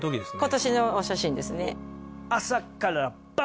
今年のお写真ですね